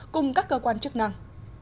cùng các cơ quan chức năng